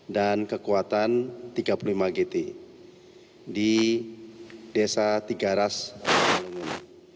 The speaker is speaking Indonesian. dan kekuatan tiga puluh lima gt di desa tiga ras malungun